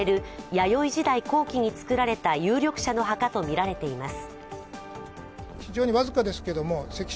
弥生時代後期に作られた有力者の墓とみられています。